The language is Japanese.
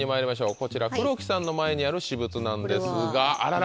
こちら黒木さんの前にある私物なんですがあらら。